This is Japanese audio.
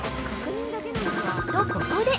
と、ここで！